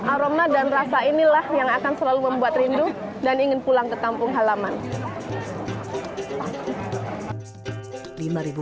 aroma dan rasa inilah yang akan selalu membuat rindu dan ingin pulang ke kampung halaman